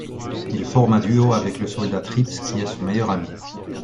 Il forme un duo avec le soldat Tripps qui est son meilleur ami.